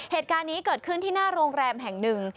เหตุการณ์นี้เกิดขึ้นที่หน้าโรงแรมแห่งหนึ่ง